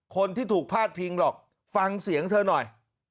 คนที่ถูกพาดพิงหรอกฟังเสียงเธอหน่อย